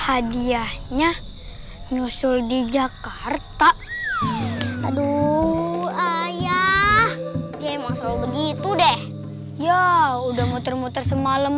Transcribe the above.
hadiahnya nyusul di jakarta aduh ayah dia emang selalu begitu deh ya udah muter muter semalam